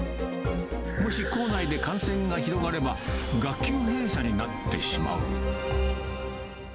もし校内で感染が広がれば、学級閉鎖になってしまう。